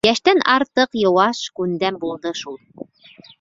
Йәштән артыҡ йыуаш, күндәм булды шул.